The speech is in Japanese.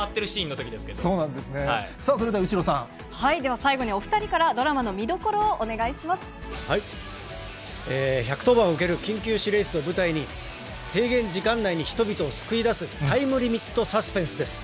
最後に、お２人からドラマの１１０番を受ける緊急指令室を舞台に、制限時間内に人々を救い出す、タイムリミットサスペンスです。